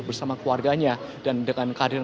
bersama keluarganya dan dengan kehadiran